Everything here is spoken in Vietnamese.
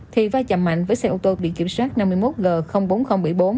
thì vai chậm mạnh với xe ô tô biển kiểm soát năm mươi một g bốn nghìn bảy mươi bốn